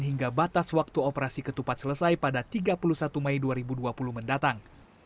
hingga batas waktu operasi ketupat selesai pada tiga puluh satu mei dua ribu dua puluh mendatang